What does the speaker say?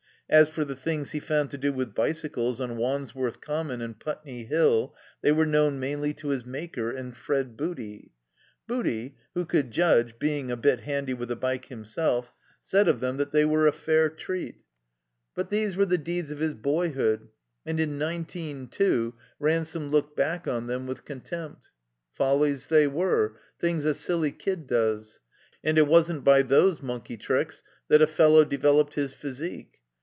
As for the things he found to do with bicycles on Wandsworth Common and Putney Hill they were known mainly to his Maker and Fred Booty. Booty, who could judge (being sl bit handy with a bike" himself), said of them that they were *'a fair treat." But these were the deeds of his boyhood, and in nineteen two Ransome looked back on them with contempt. Follies they were, things a silly kid does ; and it wasn't by those monkey tricks that a fellow developed his physique.